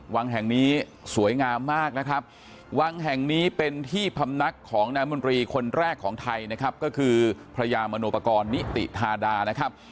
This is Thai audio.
วังแห่งนี้สวยงามมากนะครับวังแห่งนี้เป็นที่พำนักของนามนตรีคนแรกของไทยนะครับก็คือพระยามโนปกรณ์นิติธาดานะครับ